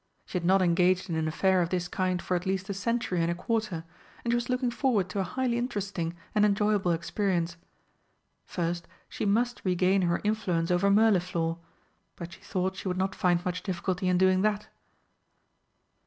She had not engaged in an affair of this kind for at least a century and a quarter, and she was looking forward to a highly interesting and enjoyable experience. First she must regain her influence over Mirliflor, but she thought she would not find much difficulty in doing that.